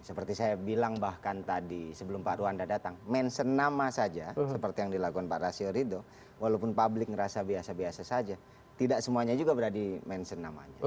seperti saya bilang bahkan tadi sebelum pak ruanda datang mention nama saja seperti yang dilakukan pak rasio ridho walaupun publik merasa biasa biasa saja tidak semuanya juga berani mention namanya